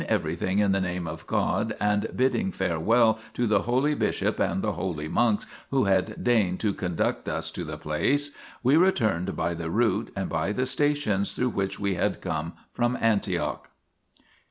2 So, having seen everything in the Name of God, and bidding farewell to the holy bishop and the holy monks who had deigned to conduct us to the place, we returned by the route and by the stations through which we had come from Antioch.